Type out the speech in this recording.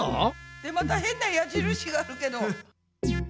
でまた変な矢印があるけど。